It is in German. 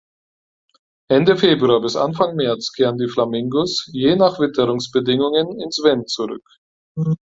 Ende Februar bis Anfang März kehren die Flamingos, je nach Witterungsbedingungen ins Venn zurück.